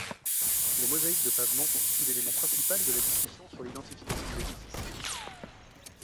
Les mosaïques de pavement constituent l'élément principal de la discussion sur l'identification de l'édifice.